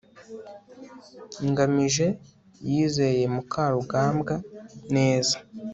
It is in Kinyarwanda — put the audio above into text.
ngamije yizeye mukarugambwa neza